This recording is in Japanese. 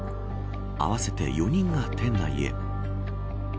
合わせて４人が店内へ。